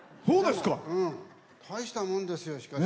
大したもんですよ、しかし。